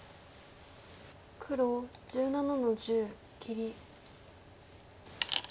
黒１７の十切り。